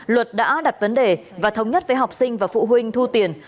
luật đã đặt vấn đề và thống nhất với học sinh và phụ huynh thu tiền